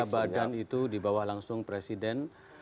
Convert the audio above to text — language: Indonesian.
dia badan itu dibawah langsung presiden